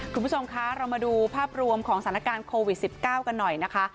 คุณผู้ชมคะเรามาดูภาพรวมของสถานการณ์โควิด๑๙กันหน่อยนะคะ